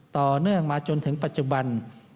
ต่อเนื่องมาจนถึงปัจจุบัน